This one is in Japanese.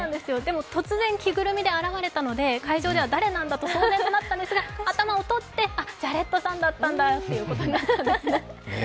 突然、着ぐるみで現れたので会場では誰なんだと騒然となったんですが、頭を取ってジャレッド・レトさんだったんだってことになったんですね。